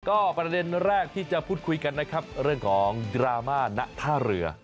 ก็ประเด็นแรกที่จะพูดคุยกันนะครับเรื่องของดราม่าณท่าเรือ